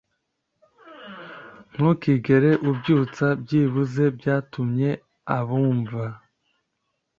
ntukigere ubyutsa byibuze byatumye abumva